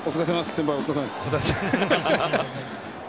先輩、お疲れさまです。